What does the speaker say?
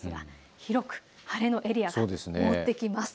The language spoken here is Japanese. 広く晴れのエリアが覆ってきます。